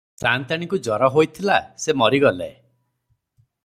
ସାଆନ୍ତାଣୀଙ୍କୁ ଜର ହୋଇଥିଲା, ସେ ମରିଗଲେ ।